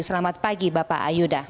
selamat pagi bapak ayuda